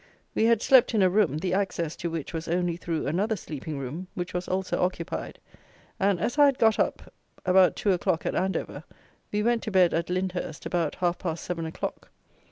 We had slept in a room, the access to which was only through another sleeping room, which was also occupied; and, as I had got up about two o'clock at Andover, we went to bed, at Lyndhurst, about half past seven o'clock.